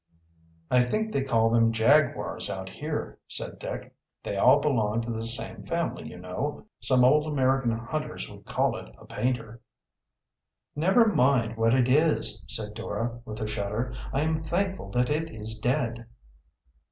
"I think they call them jaguars out here," said Dick. "They all belong to the same family, you know. Some old American hunters would call it a painter." "Never mind what it is," said Dora, with a shudder. "I am thankful that it is dead."